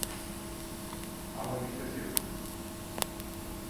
আমার বিশ্বাস এরকমই।